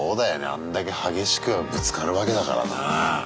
あんだけ激しくぶつかるわけだからね。